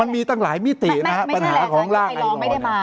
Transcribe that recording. มันมีตั้งหลายมิตินะฮะปัญหาของร่างไอลอร์